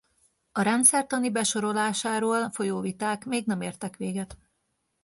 A rendszertani besorolásáról folyó viták még nem értek véget.